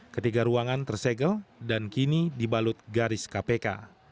ketiga ruangan tersegel dan kini dibalut garis kpk